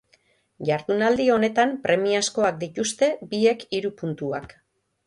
Jardunaldi honetan premiazkoak dituzte biek hiru puntuak.